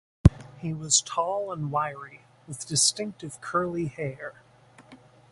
He was tall and wiry, with distinctive curly hair.